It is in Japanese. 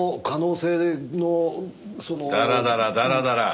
ダラダラダラダラ！